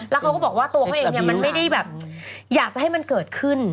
แล้วเขาก็บอกว่าตัวเขาเองเนี่ยมันไม่ได้แบบอยากจะให้มันเกิดขึ้น